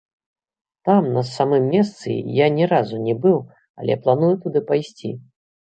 Там, на самым месцы, я ні разу не быў, але планую туды пайсці.